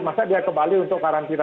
masa dia kembali untuk karantina